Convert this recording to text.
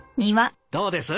どうです？